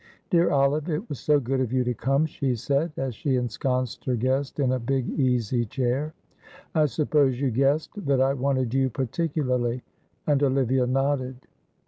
"Dear Olive, it was so good of you to come," she said, as she ensconced her guest in a big easy chair. "I suppose you guessed that I wanted you particularly," and Olivia nodded.